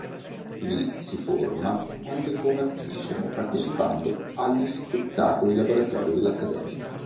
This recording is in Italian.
Lì si forma anche come attrice partecipando agli spettacoli-laboratorio dell'accademia.